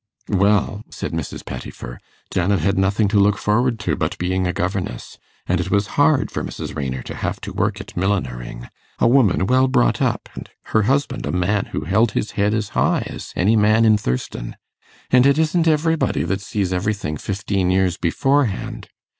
'Well,' said Mrs. Pettifer, 'Janet had nothing to look forward to but being a governess; and it was hard for Mrs. Raynor to have to work at millinering a woman well brought up, and her husband a man who held his head as high as any man in Thurston. And it isn't everybody that sees everything fifteen years beforehand.